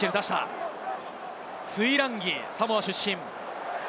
トゥイランギ、サモア出身です。